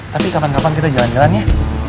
tapi kapan kapan kita jalan jalan ya